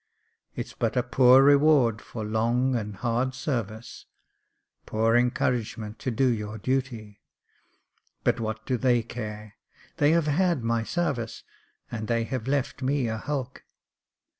It's but a poor reward for long and hard service — poor encouragement to do your duty j but what do they care ? they have had my sarvices and they have left me a hulk.